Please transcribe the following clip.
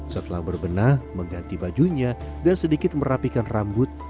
setelah berbenah mengganti bajunya dan sedikit merapikan rambut